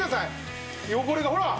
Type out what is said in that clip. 汚れがほら！